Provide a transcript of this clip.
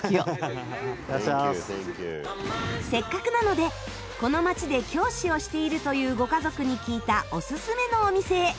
せっかくなのでこの街で教師をしているというご家族に聞いたオススメのお店へ。